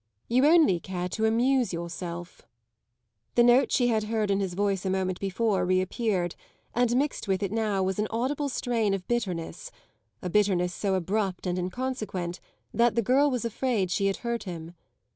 "You only care to amuse yourself." The note she had heard in his voice a moment before reappeared, and mixed with it now was an audible strain of bitterness a bitterness so abrupt and inconsequent that the girl was afraid she had hurt him.